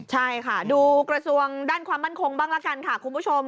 ใช่ค่ะดูกระทรวงด้านความมั่นคงบ้างละกันค่ะคุณผู้ชม